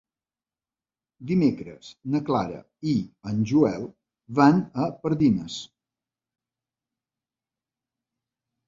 Dimecres na Clara i en Joel van a Pardines.